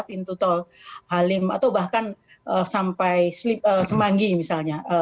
pintu tol halim atau bahkan sampai semanggi misalnya